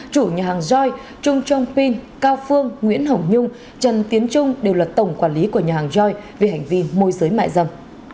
chủ nhà hàng joy trung trông pin cao phương nguyễn hồng nhung trần tiến trung đều là tổng quản lý của nhà hàng joy về hành vi môi giới mại dâm